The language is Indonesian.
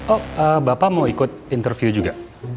oh bapak mau ikut interview juga